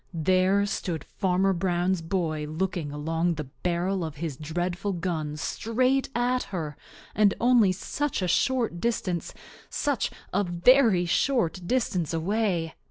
There stood Farmer Brown's boy looking along the barrel of his dreadful gun straight at her, and only such a short distance, such a very short distance away!